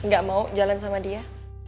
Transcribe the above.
gak mau jalan sama dia